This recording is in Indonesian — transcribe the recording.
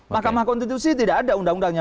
mahkamah konstitusi tidak ada undang undangnya